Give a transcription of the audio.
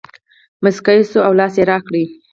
مسکی شو او لاس یې راکړ.